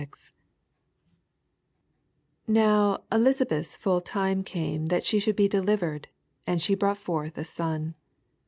57 Now Elisabeth^B full time came that she should be delivered ; and she brought forth a son.